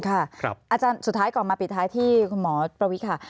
อาจารย์สุดท้ายก่อนมาปิดท้ายที่คุณหมอประวิทย์ค่ะ